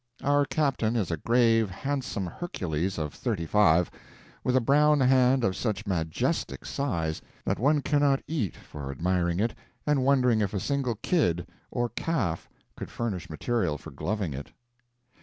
Our captain is a grave, handsome Hercules of thirty five, with a brown hand of such majestic size that one cannot eat for admiring it and wondering if a single kid or calf could furnish material for gloving it.